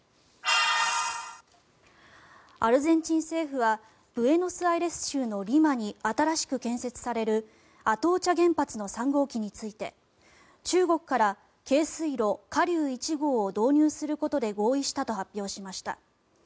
アルゼンチン政府はブエノスアイレス州のリマに新しく建設されるアトーチャ原発の３号機について中国から軽水炉華龍１号を導入することで合意したと発表しました。